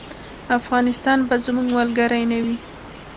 افغانستان به زموږ ملګری نه وي.